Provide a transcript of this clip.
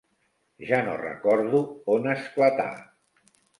Ja no recordo on esclatà.